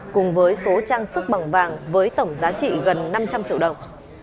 cùng với số trang sức bằng vàng với tổng giá trị gần năm trăm linh triệu đồng